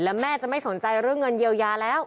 แล้วแม่จะไม่สนใจเรื่องเงินเยียวยาแล้ว